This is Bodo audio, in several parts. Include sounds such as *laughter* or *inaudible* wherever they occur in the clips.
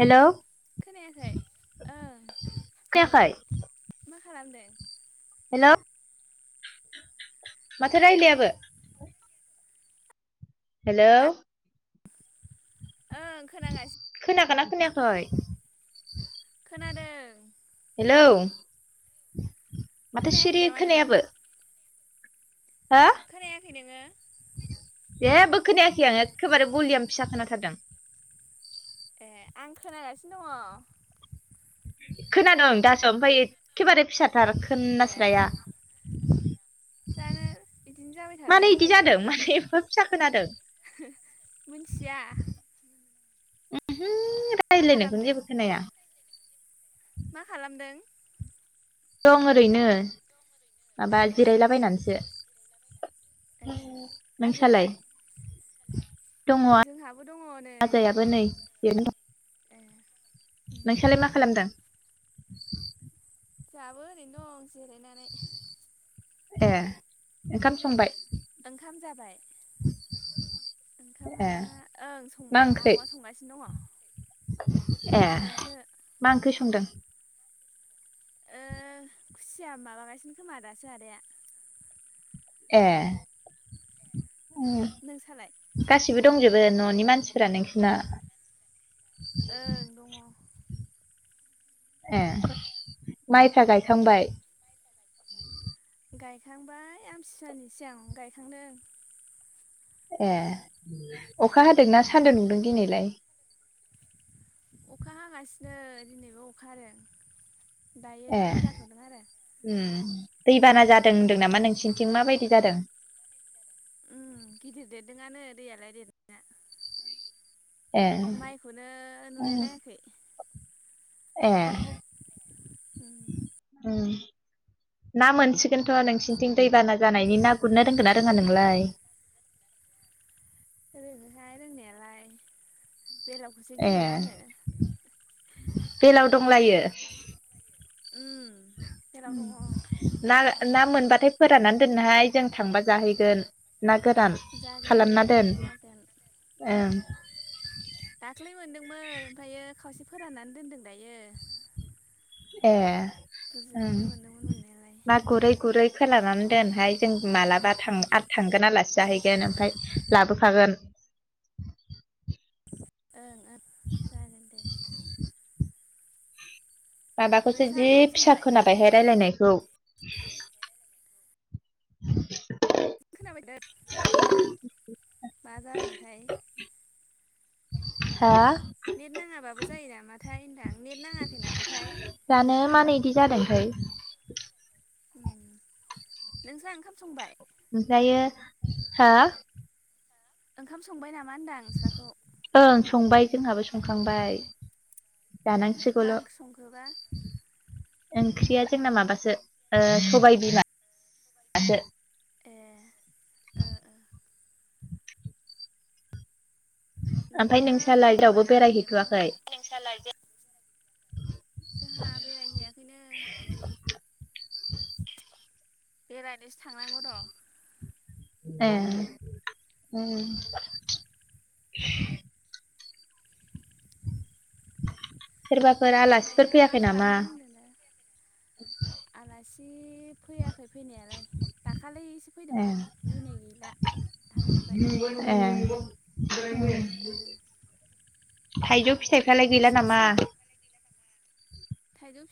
हेल'! खोनायाखै ओं खोनायाखै मा खालामदों। हेल' माथो खोनायाखै रायलायाबो? आं हेल'! ओं खोनागासिनो खोनागोन ना खोनायाखै? खोनादों। हेलौ माथो खोनायाखै सिरि नामा नोङो खोनायाबो। हो खोनायाखै नोङो। जेबो खोनायाखै आं एखाबारे बलिय फिसा खोनाथारदों। ए आं खोनागासिनो दङ। खोनादों दासो ओमफ्राय एखेबारे फिसाथार ए खोनास्राया। जानो बिदिनो जाबाय थादों मानो इदि दहायबो। जादों मानो एफा फिसा खोनादों मिथिया। ओम मा रायज्लायनायखौनो खालामदों जेबो खोनाया। मा खालामदों? दं ओरैनो माबा ए जिरायलाबायनानैसो। ए नोंसालाय। आजायालाय दङ जोंहाबो दङ नै ओरैनो राजायाबो नै ए उम नोंसालाय मा खालामदों? जाबो ओरैनो दं जिरायना ए ओंखाम संबाय? ओंखाम जाबाय? ओंखामा ए ओं मा संबाय ओंख्रि आब'आ संगासिनो दङ। ए माबासो मा ओंख्रि सं ओ खुसिया माबागासिनो खोमा दासो आदाया। ए उम नों सालाय? गासिबो दंजोबो न'नि मानसिफोरा नोंसोरना। ओं दङ। ए माइफ्रा गायखांबाय। गायखांबाय आमथिवानि सिगां गायखांदों। ए अखा हादोंना सान्दुं दुंदों दिनैलाय? अखा हागासिनो दिनैबो अखा आरो। दायो ए हागाथ'दों ओम दैबाना जादों होनदों नामा नों नोंसिनिथिं माबायदि जादों? उम गिदिर देरदोंआनो दैयालाय देरनाया। ए माइखौनो नुलाय लायाखै। एह उम ना मोनसिगोनथ' नोंसिनिथिं दैबाना जानायनि ना गुरनो रोंगोन ना रोङा नोंलाय? रोङोहाय रोंनायालाय। बेलावखौसो ए गियोना आङो। हुंलायो उम बेलाव दङ उम लालो ना मोनबाथाय फोराननानै दोनहाय जों थांबा जाहैगोन। ना गोरान जागोन दे खालामना दोन जागोन ओं। दाख्लै मोनदोंमोन ओमफायो खावसे फोराननानै दोनदों दायो। एह उम बुरजायानो मोनदोंमोन मोननायालाय ना गुरै गुरै खोलानानै दोनहाय जों मालाबा थांआद थांगोन आलासि जाहैगोन ओमफाय लाबोफागोन। ओं ओं जागोन दे। माबाखौसो नोंस्रा जि ओंखाम फिसा संबाय खोनाबायहाय रायलायनाय खौ खोनाबायदा? *inaudible* मा जादोंथाय? हा? नेट नाङाबाबो जायो नामाथाय होनदां। नेट नाङाखै नामाथाय जानो मानो इदि जादोंथाय। उम नोंसा ओंखाम संबाय? ओमफायो हा ओंखाम संबाय नामा होनदां नोंस्राखौ? ओं संबाय जोंहाबो संखांबाय। एह जानांसिगौल' मा ओंख्रि संखोबा? ओंख्रिया जोंना माबासो ओ सबाय बिमा सो। ए ओ ओ ओमफ्राय न'आवनो नोंसालाय दंखोमा जेरावबो ना मैगं? बेरायहैथ'वाखै नोंसालाय बे जोंहा बेरायहैयाखैनो। बेरायनोसो थांनांगौ र'। एह उम *inaudible* सोरबाफोर ओमफ्रायो आलासिफोर मा फैयाखै नामा? खालामदों होनदोंनो इब फैयाखै फैनायालाय दाख खालैसो ए फैदोंमोन दिनै गैला थांजोब्बाय। *unintelligible* ए थाइजौ फिथाइफ्रालाय गैला सोर नामा? सोर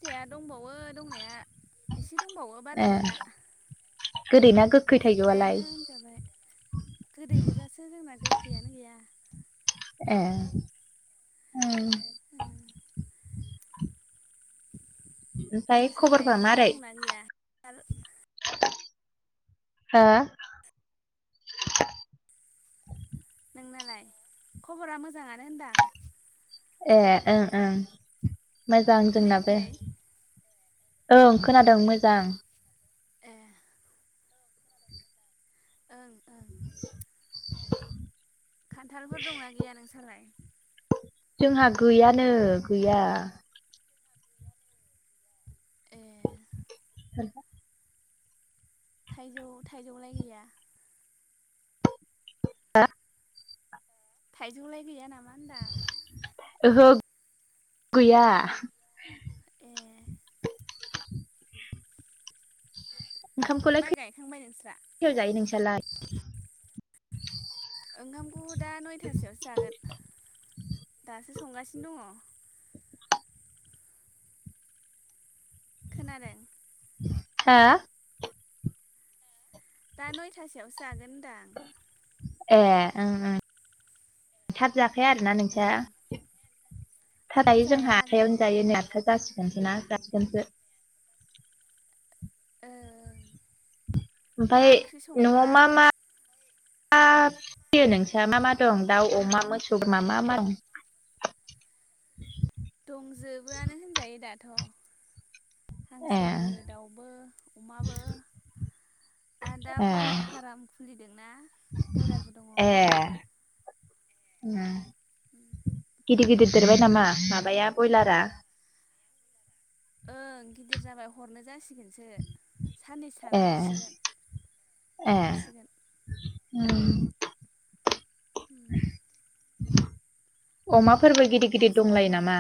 फिथाइआ दंबावो दंनाया एसे दंबावो ए बारा गैला। गोदै ना गोखै थाइजौआलाय जोब्बायानो होन जाबाय। गोदै गोजासो जोंना गोखैयानो गैया। एह उम ओमफ्राय नोंसालाय खबरफ्रा नोंसा मारै? दंना गैया आल हो? नोंनालाय? खबरा मोजाङानो होनदां। एह ओं ओं मोजां जोंनाबो। खोनायाखै ओं खोनादों मोजां। ए ओं ओं *inaudible* खान्थालफोर दंना गैया नोंसालाय? जोंहा गैयानो गैया ए सानहा थाइजौ थाइजौलाय गैया हा थाइजौलाय गैया नामा होनदां ओहो गैया ए ओंखामखौलाय माइ गायखांबाय नोंस्रा खैथायाव जायो नोंसालाय ओंखामखौ दा नयथा सोआवसो जागोन दासो संगासिनो दङ खोनादों हा दा नयथासोआवसो जागोन होनदां ए ओंं ओं थाब जाखाया आरोना नोंस्रा ओं थाब जायो जोंहा जाया आठथायावनो जायो जानायालाय नै आठथा जासिगोनसो ना जासिगोनसो ओ ओमफाय न'आव मा मा मा फियो नोंसा मा मा दं दाउ अमा मोसौ मा मा मा दं दंजोबोआनो होनजायो दाथ' ए हांसोबो दाउबो अमाबो आर दा ब्रयलार फाराम खुलिदोंना बयलारबो दङ उ गिदिर गिदिर देरबाय नामा माबाया बयलारा ओं गिदिर जाबाय हरनो जासि गोनसो साननैसो ए थाना हरसिगोन फानहरसिगोन ओम अमा फोरबो गिदिर गिदिर हांसोआबो दंलायो नामा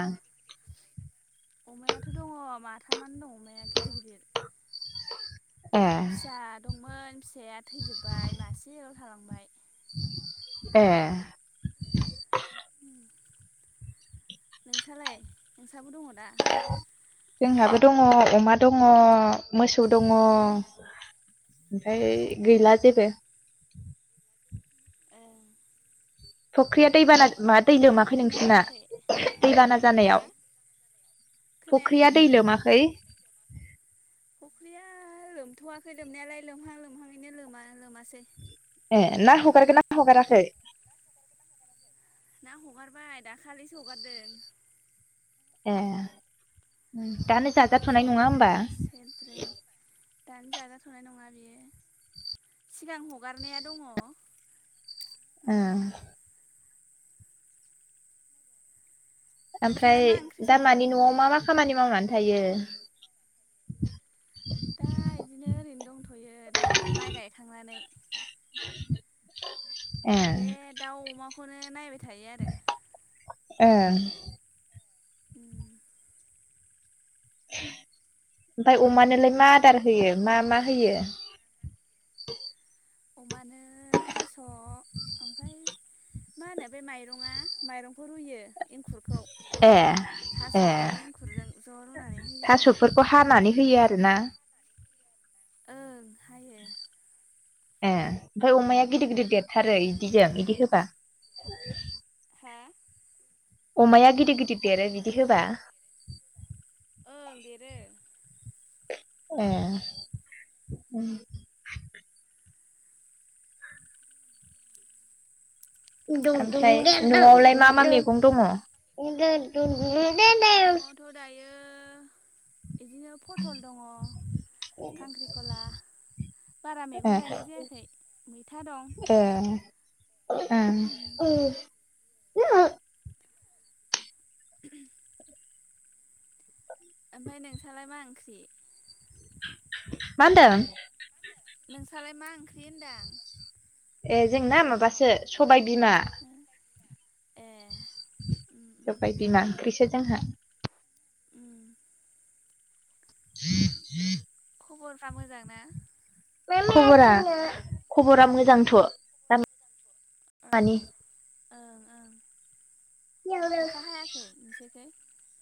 अमायाथ' दङ माथामानो दं अमाया गिदिर गिदिर ए फिसा दंमोन फिसाया थैजोब्बाय मासेल' थालांबाय ए नोंसालाय नोंसाबो दङ दा जोंहाबो दङ अमा दङ मोसौ दङ ओमफाय गैला जेबो फुख्रिया दैबाना माबा दै अखा लोमाखै हादोंना नोंसिना हायाखै? दैबाना हा जानायाव खोनायाखै फुख्रिया दै लोमाखै फुख्रिया लोमथ'वाखै लोमनायालाय लोमहां लोमहाङैनो लोमा लोमासै ए ना हगारदों ना हगाराखै ना हगारबाय दाखालिसो हगारदों ए दानो माबाल'सो जाजाथ'नाय नङा होमबा हगारदों सेरब्रै दानो जाजाथ'नाय नङा बियो सिगां हगारनाया दङ ओ नोंसालाय ओमफ्राय मा ओंख्रि दा संखो? मानि न'आव मा मा खामानि मावनानै थायो दा बिदिनो ओरैनो दंथ'यो दा माइ गायखांनानै *inaudible* ए बे दाउ अमाखौनो नायबाय थायो आरो ए उ ओमफ्राय अमानोलाय मा आदार होयो मा मा होयो अमानो थास' ओमफ्राय मा होनो बे माइरङा माइरंखौ रुयो एंखुरखौ ए ए थास'जों एंखुरजों ज' रुनानै होयो थास'फोरखौ हानानै होयो आरो ना ओं हायो ए ओमफ्राय अमाया गिदिर गिदिर देरथारो हानानै बिदिजों होयो बिदि होबा हा अमाया गिदिर गिदिर देरो बिदि होबा ओं देरो ए *unintelligible* द दं ओमफ्राय य नोंस्रा न'आवलाय ओंख्रि मा मा मैगं दङ *unintelligible* न'आवथ' दायो बिदिनो पटल दंङ खांख्रिखला बारा मैगं गायनाय जायाखै मैथा दं दङ ए *unintelligible* *unintelligible* ओमफ्राय नोंस्रालाय मा ओंख्रि मा होन्दों नोंसालाय मा ओंख्रि होनदां ए जोंना माबासो सबाय बिमा ए उम उम सबाय बिमा ओंख्रिसो जोंहा उम *unintelligible* खबरफ्रा मोजां ना खबरा खबरा मोजांथ ओ मानि ओं ओं *unintelligible* अखा हायाखै नोंसोरखै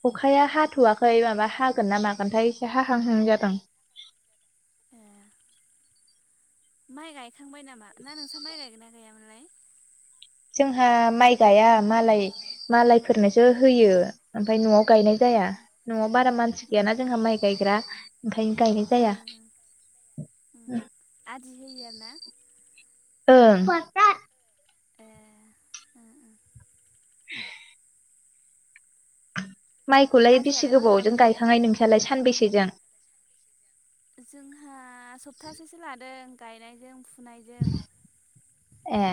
अखाया हा हाथवाखै माबा हागोन ना मागोनथाय एसे हाहांहां जादों *inaudible* माइ गायखांबाय नामा ना नोंस्रा माइ गायगोन ना गायामोनलाय? जोंहा माइ गाया मालाय मालायफोरनोसो अ होयो ओमफ्राय न'आव गायनाय अ जाया उम न'आव बारा मानसि गैयाना जोंहा माइ गायग्रा ओंखायनो गायनाय जाया *inaudible* ओं उम आदि होयो आरोना ओं ए ओ ओ *unintelligible* माइखौलाय बेसे आजायालाय मा गोबावजों खालामदों? गायखांनाय नोंसालाय सानबैसे जों जोंहा सप्तासेसो लादों गायनायजों फु फुनायजों ए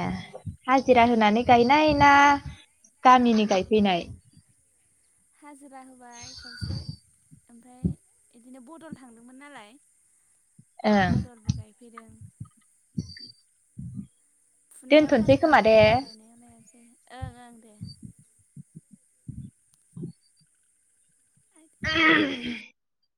हाजिरा होनानै गायनाय ना गामिनि गायफैनाय हाजिरा होबाय खावसे ओमफ्राय बिदिनो बदल थांदोंमोन नालाय ओं बदलबो गायफैदों फुनायाव दोनथ'नोसै हाजिरा खोमा दे लादों गायनायाव नाङासै ओं ओं दे *unintelligible*